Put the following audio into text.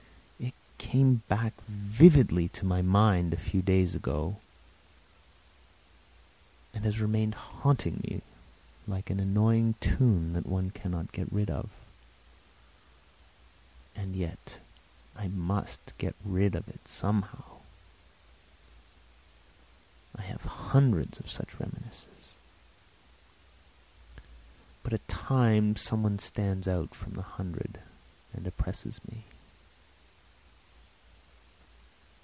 It came back vividly to my mind a few days ago, and has remained haunting me like an annoying tune that one cannot get rid of. And yet I must get rid of it somehow. I have hundreds of such reminiscences; but at times some one stands out from the hundred and oppresses me.